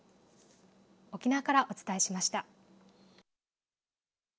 沖縄からお伝えしました。